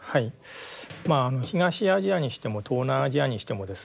東アジアにしても東南アジアにしてもですね